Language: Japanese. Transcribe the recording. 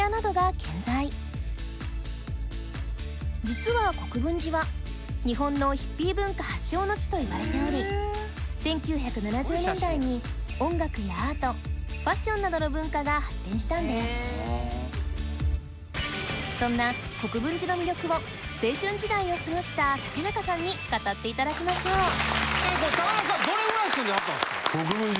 健在実は国分寺は日本のそんな国分寺の魅力を青春時代を過ごした竹中さんに語っていただきましょう竹中さんどれぐらい住んではったんですか？